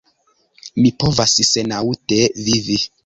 Mi povas senaŭte vivi.